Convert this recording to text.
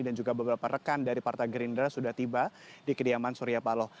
dan juga beberapa rekan dari partai gerindra sudah tiba di kediaman surya paloh